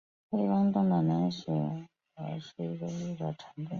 黑风洞是雪兰莪鹅唛县的一个巫金也是一个城镇。